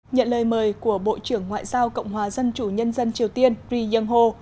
nhận lời mời của bộ trưởng ngoại giao cộng hòa dân chủ nhân dân triều tiên ri yong ho